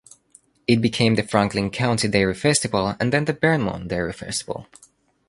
It became the Franklin County Dairy Festival and then The Vermont Dairy Festival.